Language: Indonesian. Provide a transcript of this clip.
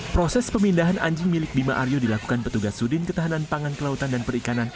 proses pemindahan anjing milik bima aryo dilakukan petugas sudin ketahanan pangan kelautan dan perikanan